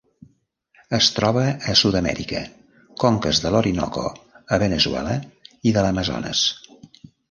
Es troba a Sud-amèrica: conques de l'Orinoco a Veneçuela i de l'Amazones.